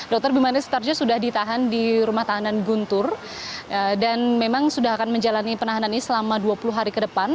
dr bimanes sutarjo sudah ditahan di rumah tahanan guntur dan memang sudah akan menjalani penahanan ini selama dua puluh hari ke depan